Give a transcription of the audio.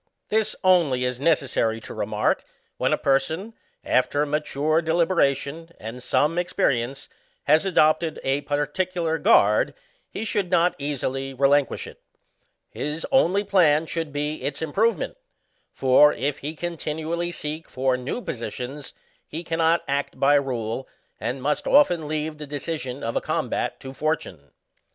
'ITiis only is necessary to remark, when a per son, after mature deliberation and some experience, has adopted a particular guard, he should not easily relinquish it. His only plan should be its improve ment ,ŌĆó for, if he continually seek for new positions, Digitized by VjOOQIC 22 BOXIANA ; OR, he cannot act by rule, and must often leave the de cision of a combat to fortune.